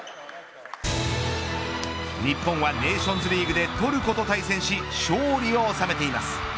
日本はネーションズリーグでトルコと対戦し勝利を収めています。